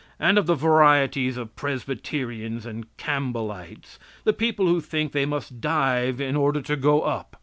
And of the varieties of Presbyterians and Campbellites. The people who think they must dive in order to go up.